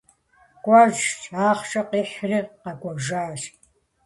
КӀуэжщ, ахъшэ къихьри къэкӀуэжащ.